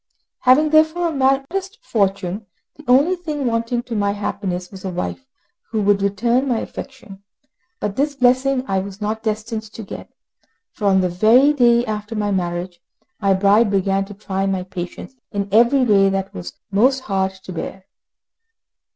Having therefore a modest fortune, the only thing wanting to my happiness was a wife who could return my affection, but this blessing I was not destined to get; for on the very day after my marriage, my bride began to try my patience in every way that was most hard to bear.